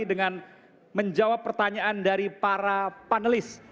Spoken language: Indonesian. dengan menjawab pertanyaan dari para panelis